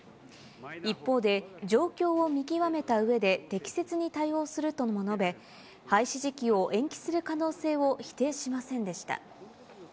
一方で、状況を見極めたうえで、適切に対応するとも述べ、廃止時期を延期する可能性を否定しませんでした。